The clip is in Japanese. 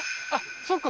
そっか